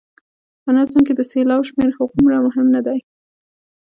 په نظم کې د سېلاب شمېر هغومره مهم نه دی.